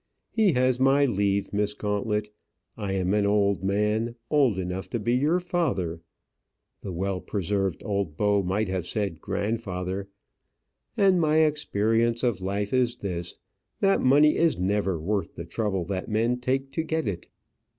He has my leave, Miss Gauntlet. I am an old man, old enough to be your father" the well preserved old beau might have said grandfather "and my experience of life is this, that money is never worth the trouble that men take to get it.